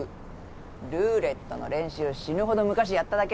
ルーレットの練習死ぬほど昔やっただけ。